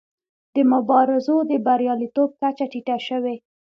د مبارزو د بریالیتوب کچه ټیټه شوې.